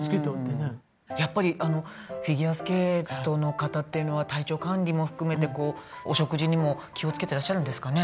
やっぱりフィギュアスケートの方っていうのは体調管理も含めてこうお食事にも気をつけてらっしゃるんですかね。